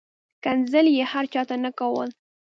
ښکنځل یې هر چاته نه کول.